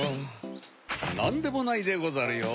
なんでもないでござるよ！